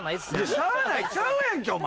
しゃあないちゃうやんけお前！